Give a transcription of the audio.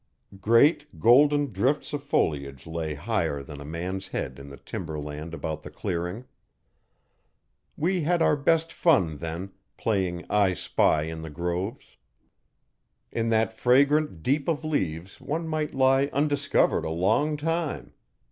Great, golden drifts of foliage lay higher than a man's head in the timber land about the clearing. We had our best fun then, playing 'I spy' in the groves. In that fragrant deep of leaves one might lie undiscovered a long time.